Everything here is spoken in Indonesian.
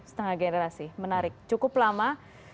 setengah generasi menarik cukup lama